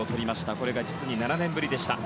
これが実に７年ぶりでした。